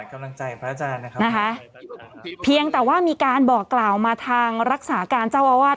กำลังใจพระอาจารย์นะครับนะคะเพียงแต่ว่ามีการบอกกล่าวมาทางรักษาการเจ้าอาวาส